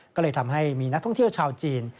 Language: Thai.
ก็เลยทำให้มีนักท่องเที่ยวชาวจีน